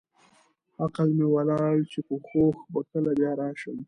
عقل مې ولاړ چې په هوښ به کله بیا راشم.